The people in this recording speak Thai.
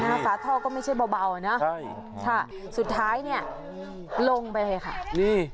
ฝาท่อก็ไม่ใช่เบาเบาอ่ะเนอะใช่ค่ะสุดท้ายเนี่ยลงไปเลยค่ะนี่